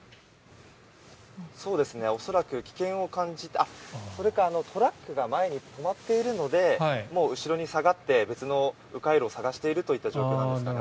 恐らく、危険を感じてそれかトラックが前に止まっているので後ろに下がって別の迂回路を探しているという状況ですかね。